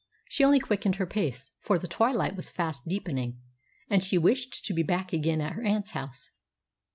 She only quickened her pace, for the twilight was fast deepening, and she wished to be back again at her aunt's house.